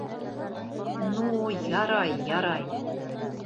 — Ну, ярай-ярай!